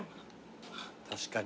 確かに。